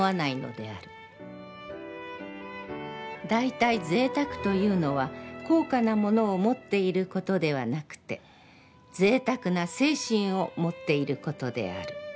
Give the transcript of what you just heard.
だいたい贅沢というのは高価なものを持っていることではなくて、贅沢な精神を持っていることである。